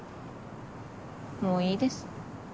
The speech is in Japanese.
もういいです。